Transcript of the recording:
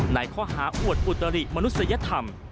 ในข้อหาอวดอุตริมนุษยธรรม